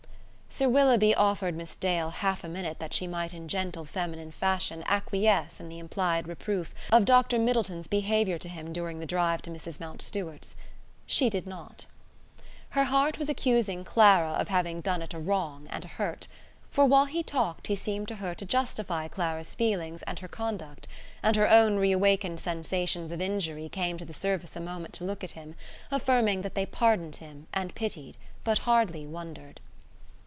Sir Willoughby offered Miss Dale half a minute that she might in gentle feminine fashion acquiesce in the implied reproof of Dr. Middleton's behaviour to him during the drive to Mrs. Mountstuart's. She did not. Her heart was accusing Clara of having done it a wrong and a hurt. For while he talked he seemed to her to justify Clara's feelings and her conduct: and her own reawakened sensations of injury came to the surface a moment to look at him, affirming that they pardoned him, and pitied, but hardly wondered.